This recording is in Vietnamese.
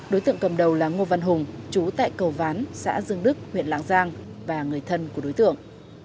đối tượng cầm đầu là ngô văn hùng chú tại cầu ván xã dương đức huyện lạng giang và người thân của đối tượng